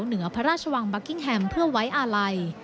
เหนือพระราชวังบัคกิ้งแฮมเพื่อไว้อาลัย